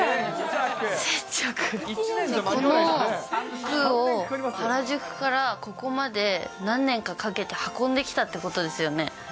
この服を原宿からここまで何年かかけて運んできたってことですよ